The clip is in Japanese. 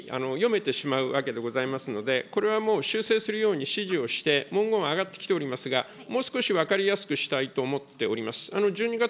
そうしたことを知らない方が読めば、全部免責されるように読めてしまうわけでございますので、これはもう修正するように指示をして、文言は上がってきておりますが、もう少し分かりやすくしたいと思っております。